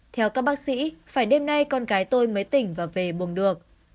theo các bác sĩ phải đêm nay con gái tôi mới tỉnh và về buồng được